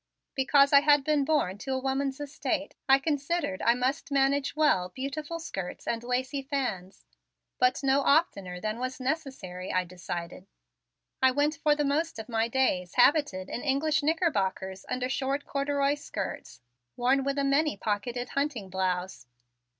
Because I had been born to a woman's estate I considered I must manage well beautiful skirts and lacy fans, but no oftener than was necessary, I decided. I went for the most of my days habited in English knickerbockers under short corduroy skirts, worn with a many pocketed hunting blouse.